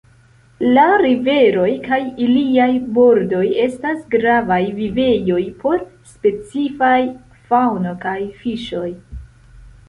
La riveroj kaj iliaj bordoj estas gravaj vivejoj por specifaj faŭno kaj fiŝoj.